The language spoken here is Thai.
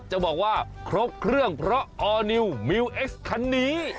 จะบอกว่าครบเครื่องเพราะออร์นิวมิวเอ็กซ์คันนี้